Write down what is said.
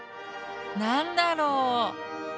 何だろう？